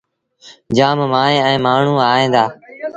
جآم مائيٚݩ ائيٚݩ مآڻهوٚݩ ائيٚݩ دآ۔